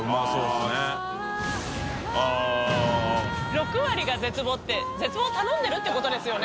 「６割が絶望」って絶望」を頼んでるっていうことですよね？